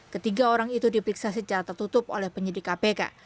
ketiga orang itu diperiksa secara tertutup oleh penyidik kpk